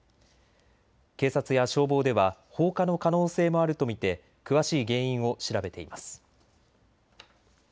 警察や消防では放火の可能性もあると見て詳しい原因を調べています。